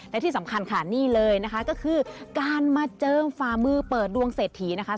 และที่สำคัญค่ะนี่เลยนะคะก็คือการมาเจิมฝ่ามือเปิดดวงเศรษฐีนะคะ